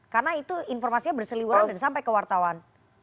karena itu informasinya berseliweran dan sampai ke wartawan